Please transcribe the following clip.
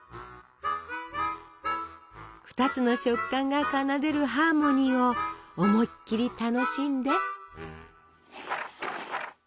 ２つの食感が奏でるハーモニーを思いっきり楽しんで。